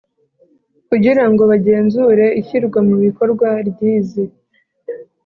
kugira ngo bagenzure ishyirwa mu bikorwa ry izi